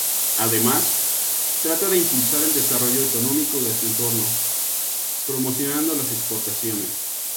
Además, trata de impulsar el desarrollo económico de su entorno, promocionando las exportaciones.